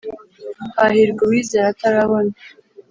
hahirwa uwizera atarabona